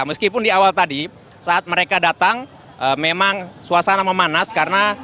meskipun di awal tadi saat mereka datang memang suasana memanas karena